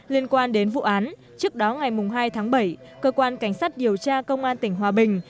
liên quan đến vụ án trước đó ngày hai tháng bảy cơ quan cảnh sát điều tra công an tỉnh hòa bình